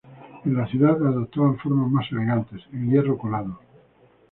En la ciudad adoptaban formas más elegantes, en hierro colado.